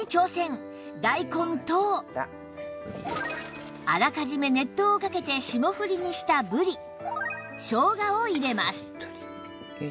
大根とあらかじめ熱湯をかけて霜降りにしたぶりしょうがを入れます